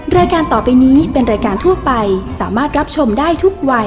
รายการต่อไปนี้เป็นรายการทั่วไปสามารถรับชมได้ทุกวัย